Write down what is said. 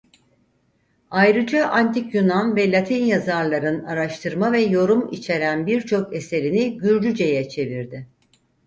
Ayrıca Antik Yunan ve Latin yazarların araştırma ve yorum içeren birçok eserini Gürcüceye çevirdi.